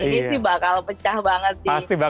ini sih bakal pecah banget sih